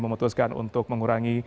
memutuskan untuk mengurangi